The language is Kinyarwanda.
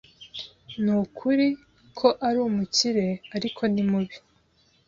Nukuri ko ari umukire, ariko ni mubi.